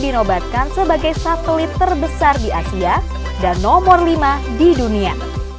dinobatkan sebagai satelit terbesar di asia dan nomor lima di dunia